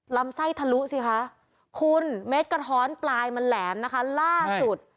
ลำไส้ทะลุสิคะคุณเม็ดกระท้อนปลายมันแหลมนะคะล่าสุด